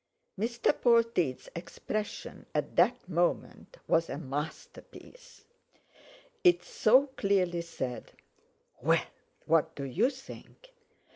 Mr. Polteed's expression at that moment was a masterpiece. It so clearly said: "Well, what do you think?